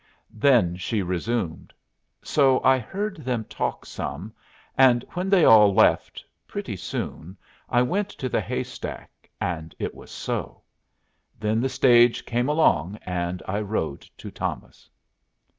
Then she resumed: "So I heard them talk some; and when they all left, pretty soon, I went to the hay stack, and it was so. Then the stage came along and I rode to Thomas."